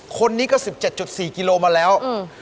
คนนี้ก็๑๗๔กิโลมาแล้ว